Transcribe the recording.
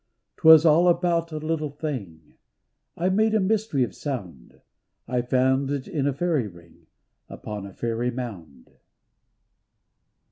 'Twas all about a little thing I made a mystery of sound, I found it in a fairy ring Upon a fairy mound.